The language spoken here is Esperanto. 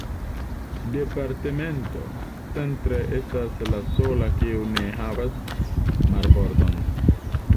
Departemento "Centre" estas la sola, kiu ne havas marbordon.